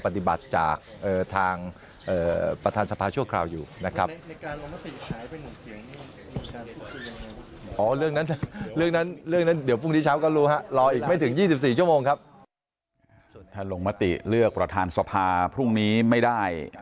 ส่วนลงมติเลือกประธานสภาพรุ่งนี้ไม่ได้